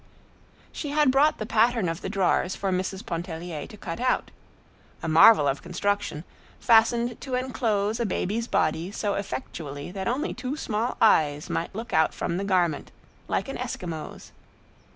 She had brought the pattern of the drawers for Mrs. Pontellier to cut out—a marvel of construction, fashioned to enclose a baby's body so effectually that only two small eyes might look out from the garment, like an Eskimo's.